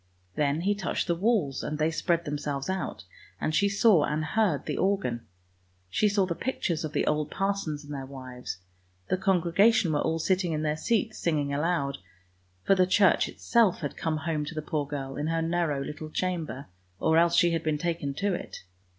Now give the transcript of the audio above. Then he touched the walls and they spread themselves out, and she saw and heard the organ. She saw the pictures of the old parsons and their wives; the congregation were all sitting in their seats singing aloud — for the church itself had come home to the poor girl, in her narrow little chamber, or else she had been taken to it.